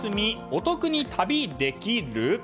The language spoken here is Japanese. お得に旅できる？